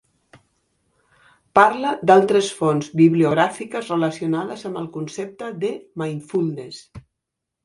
Parla d'altres fonts bibliogràfiques relacionades amb el concepte de Mindfulness.